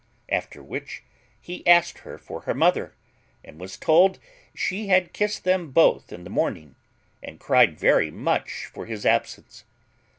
After which he asked her for her mother, and was told she had kissed them both in the morning, and cried very much for his absence.